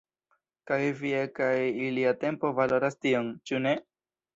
Kaj via kaj ilia tempo valoras tion, ĉu ne?